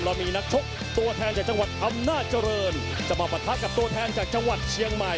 เรามีนักชกตัวแทนจากจังหวัดอำนาจเจริญจะมาปะทะกับตัวแทนจากจังหวัดเชียงใหม่